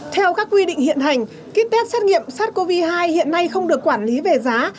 theo các quy định hiện hành ký test xét nghiệm sars cov hai hiện nay không được quản lý về giá